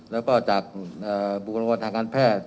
แล้วก็จากบุคลากรทางการแพทย์